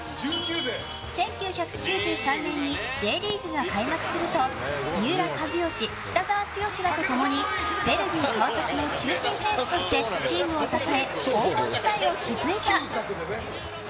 １９９３年にＪリーグが開幕すると三浦知良、北澤豪らと共にヴェルディ川崎の中心選手としてチームを支え、黄金時代を築いた。